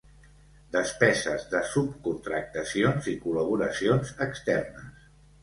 Despeses de subcontractacions i col·laboracions externes.